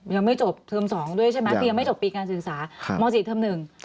อ๋อยังไม่จบเทิม๒ด้วยใช่ไหมคือยังไม่จบปีการศึกษาม๔เทิม๑